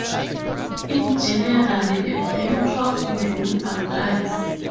In general, the Bancroft rule applies.